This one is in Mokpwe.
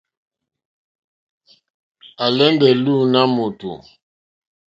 À álèndé lùùná mòtò.